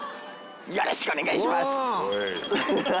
よろしくお願いします。